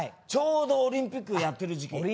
ちょうどオリンピックやってる時期。